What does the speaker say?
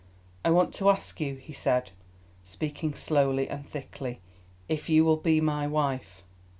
"I want to ask you," he said, speaking slowly and thickly, "if you will be my wife?"